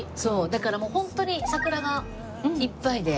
だからもうホントに桜がいっぱいで。